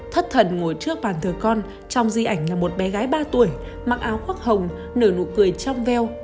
thất thần ngồi trước bàn thờ con trong di ảnh là một bé gái ba tuổi mặc áo khoác hồng nở nụ cười trong veo